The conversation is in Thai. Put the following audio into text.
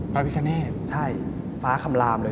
แขกเบอร์ใหญ่ของผมในวันนี้